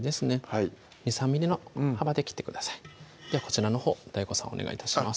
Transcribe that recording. はい２３ｍｍの幅で切ってくださいではこちらのほうＤＡＩＧＯさんお願い致します